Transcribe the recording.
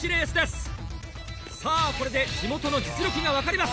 さぁこれで地元の実力が分かります。